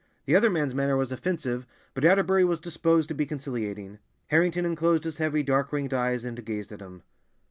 The other man's manner was offensive, but Atterbury was disposed to be conciliating. Harrington unclosed his heavy, dark ringed eyes and gazed at him.